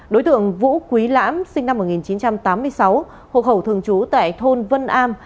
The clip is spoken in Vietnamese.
đối tượng vũ quý lãm sinh năm một nghìn chín trăm tám mươi sáu hộ khẩu thường trú tại thôn vân am